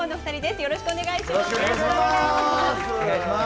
よろしくお願いします。